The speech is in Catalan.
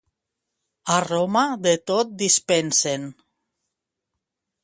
A Roma de tot dispensen.